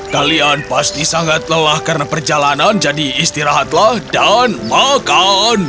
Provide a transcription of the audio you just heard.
kalian pasti sangat lelah karena perjalanan jadi istirahatlah dan makan